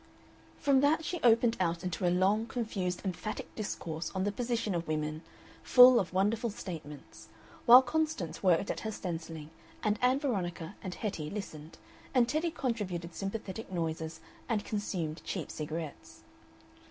From that she opened out into a long, confused emphatic discourse on the position of women, full of wonderful statements, while Constance worked at her stencilling and Ann Veronica and Hetty listened, and Teddy contributed sympathetic noises and consumed cheap cigarettes.